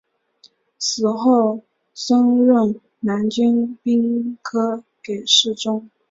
此后升任南京兵科给事中。